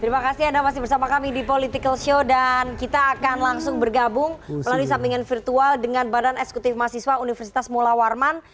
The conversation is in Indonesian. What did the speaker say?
terima kasih anda masih bersama kami di political show dan kita akan langsung bergabung melalui sampingan virtual dengan badan eksekutif mahasiswa universitas mula warman